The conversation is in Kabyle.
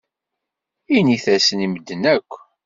Init-asen i medden akk.